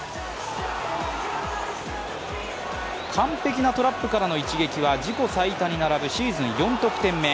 完璧なトラップからの一撃は自己最多に並ぶシーズン４得点目。